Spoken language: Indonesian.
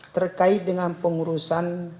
terkait dengan pengurusan